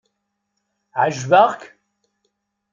Ɛejbeɣ-k?